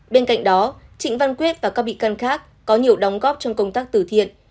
bên cạnh đó trịnh văn quyết và các bị can khác có nhiều đóng góp trong công tác tử thiện